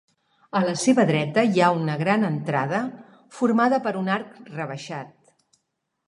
A la seva dreta hi ha una gran entrada formada per un arc rebaixat.